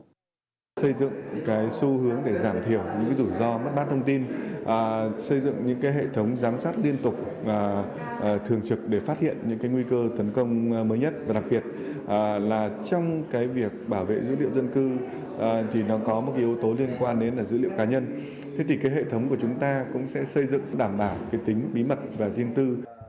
hệ thống trung tâm sẽ xây dựng xu hướng để giảm thiểu những rủi ro mất bát thông tin xây dựng những hệ thống giám sát liên tục thường trực để phát hiện những nguy cơ tấn công mới nhất và đặc biệt là trong việc bảo vệ dữ liệu dân cư thì nó có một yếu tố liên quan đến dữ liệu cá nhân thế thì hệ thống của chúng ta cũng sẽ xây dựng đảm bảo tính bí mật và tiên tư